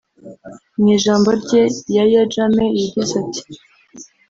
Mu ijambo rye Yahya Jammeh yagize ati